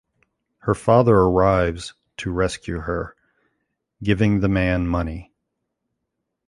Her father arrives to rescue her, giving the man money.